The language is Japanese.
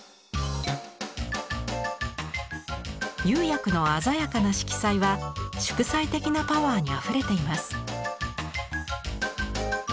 釉薬の鮮やかな色彩は祝祭的なパワーにあふれています。